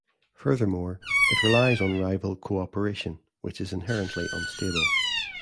Furthermore, it relies on rival co-operation, which is inherently unstable.